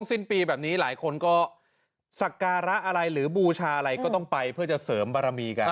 สิ้นปีแบบนี้หลายคนก็สักการะอะไรหรือบูชาอะไรก็ต้องไปเพื่อจะเสริมบารมีกัน